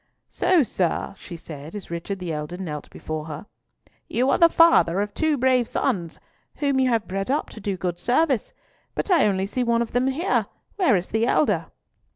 "So, sir," she said, as Richard the elder knelt before her, "you are the father of two brave sons, whom you have bred up to do good service; but I only see one of them here. Where is the elder?"